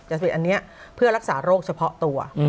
ผลิตอันนี้เพื่อรักษาโรคเฉพาะตัว